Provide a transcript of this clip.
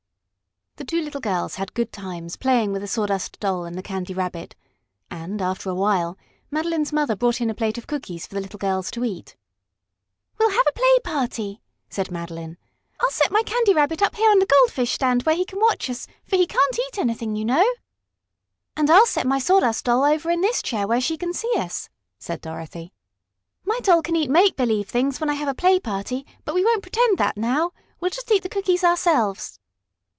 The two little girls had good times playing with the Sawdust Doll and the Candy Rabbit, and, after a while, Madeline's mother brought in a plate of cookies for the little girls to eat. "We'll have a play party," said Madeline. "I'll set my Candy Rabbit up here on the goldfish stand where he can watch us, for he can't eat anything, you know." "And I'll set my Sawdust Doll over in this chair where she can see us," said Dorothy. "My Doll can eat make believe things when I have a play party, but we won't pretend that now. We'll just eat the cookies ourselves."